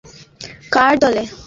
তুই কি তার দলে?